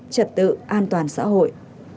trật tự an toàn xã hội